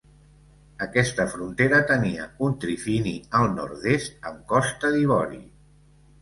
Aquesta frontera tenia un trifini al nord-est amb Costa d'Ivori.